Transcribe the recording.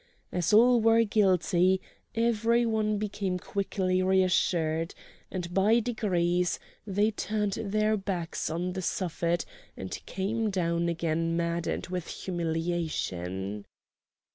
As all were guilty, every one became quickly reassured; and by degrees they turned their backs on the Suffet and came down again maddened with humiliation.